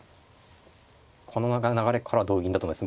この流れからは同銀だと思います。